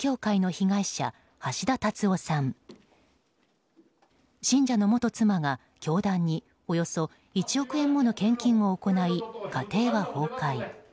信者の元妻が教団におよそ１億円もの献金を行い、家庭は崩壊。